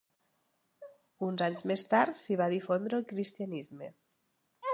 Uns anys més tard s'hi va difondre el cristianisme.